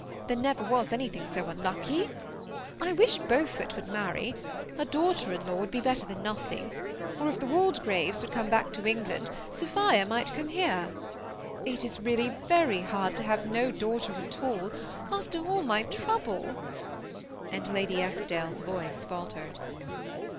There never was anything so unlucky. I wish Beaufort would marry. A daughter in law would be better than nothing ; or if the Walde graves would come back to England, Sophia might come here. It is really very hard to have no daughter at all, afler all my trouble ;" and Lady Eskdale's voice fal tered.